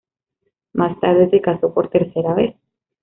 Más tarde se casó por tercera vez.